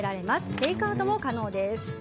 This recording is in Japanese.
テイクアウトも可能です。